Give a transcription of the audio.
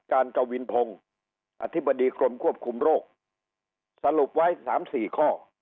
กวินพงศ์อธิบดีกรมควบคุมโรคสรุปไว้สามสี่ข้อ